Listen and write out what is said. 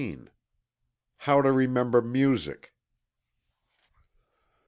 HOW TO REMEMBER MUSIC.